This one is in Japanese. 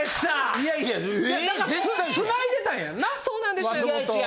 そうなんです。